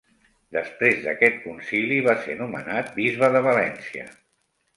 Després d'aquest concili va ser nomenat bisbe de València.